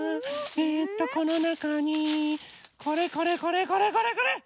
えとこのなかにこれこれこれこれこれこれ！